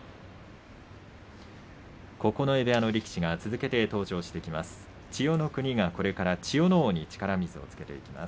九重部屋の力士が続けて登場してきます。